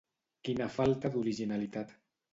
Quina falta d'originalitat.